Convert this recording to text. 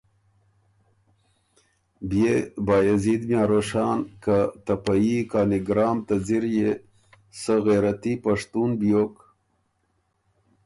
بئے بائزید میاں روښان که ته په يي کانیګرام ته ځِر يې سۀ غېرتي پشتُون بیوک،